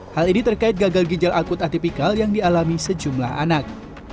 hal ini terkait gagal ginjal akut atipikal yang dialami sejumlah anak